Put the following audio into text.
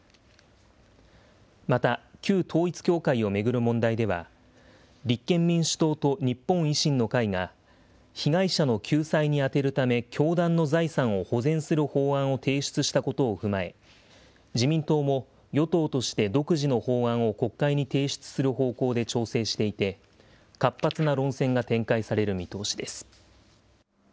また、旧統一教会を巡る問題では、立憲民主党と日本維新の会が、被害者の救済に充てるため教団の財産を保全する法案を提出したことを踏まえ、自民党も、与党として独自の法案を国会に提出する方向で調整していて、活発な論戦が展開される見通しです。